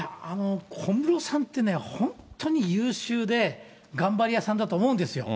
小室さんってね、本当に優秀で、頑張り屋さんだと思うんですよ。